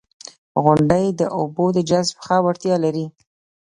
• غونډۍ د اوبو د جذب ښه وړتیا لري.